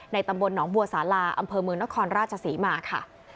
ตำบลหนองบัวสาลาอำเภอเมืองนครราชศรีมาค่ะ